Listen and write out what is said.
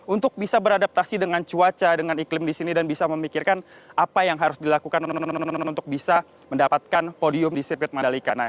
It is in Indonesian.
untuk bisa beradaptasi dengan cuaca dengan iklim di sini dan bisa memikirkan apa yang harus dilakukan untuk bisa mendapatkan podium di sirkuit mandalika